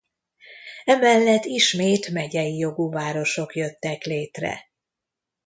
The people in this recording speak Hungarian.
Emellett ismét megyei jogú városok jöttek létre.